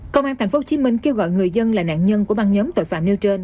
công an tp hcm kêu gọi người dân là nạn nhân của băng nhóm tội phạm nêu trên